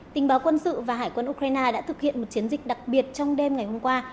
tình báo quân sự và hải quân ukraine đã thực hiện một chiến dịch đặc biệt trong đêm ngày hôm qua